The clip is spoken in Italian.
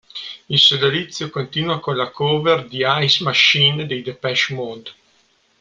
Il sodalizio continua con la cover di "Ice Machine" dei Depeche Mode.